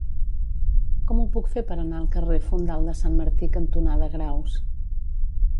Com ho puc fer per anar al carrer Fondal de Sant Martí cantonada Graus?